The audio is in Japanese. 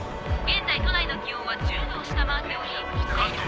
「現在都内の気温は１０度を下回っており」